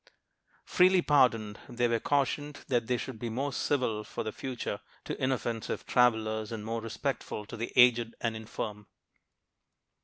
Freely pardoned, they were cautioned that they should be more civil for the future to inoffensive travelers, and more respectful to the aged and infirm.